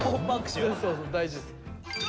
大事です。